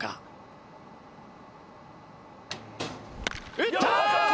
打った！